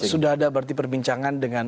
sudah ada berarti perbincangan dengan